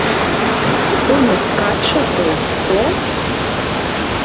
Хто не скача, той хто?